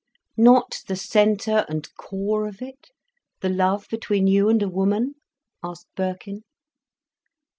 "Not the centre and core of it—the love between you and a woman?" asked Birkin.